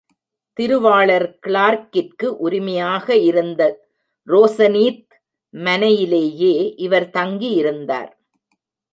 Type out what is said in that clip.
திருவாளர் கிளார்க்கிற்கு உரிமையாக இருந்த ரோசனீத், மனையிலேயே இவர் தங்கி யிருந்தார்.